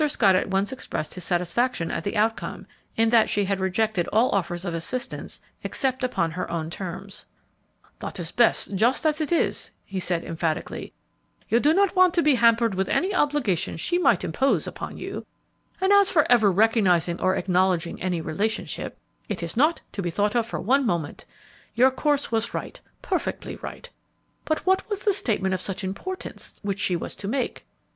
Scott at once expressed his satisfaction at the outcome, in that she had rejected all offers of assistance except upon her own terms. "That is best, that is best just as it is," he said, emphatically; "you do not want to be hampered with any obligations she might impose upon you, and as for ever recognizing or acknowledging any relationship, it is not to be thought of for one moment. Your course was right, perfectly right. But what was the statement of such importance which she was to make?"